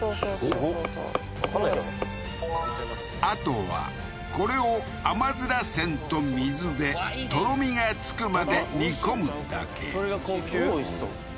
あとはこれをあまづらせんと水でとろみがつくまで煮込むだけこれが高級？